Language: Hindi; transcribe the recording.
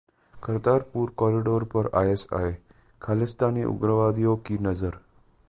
करतारपुर कॉरिडोर पर आईएसआई, खालिस्तानी उग्रवादियों की नजर